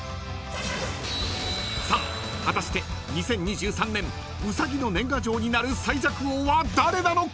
［さあ果たして２０２３年ウサギの年賀状になる最弱王は誰なのか！？］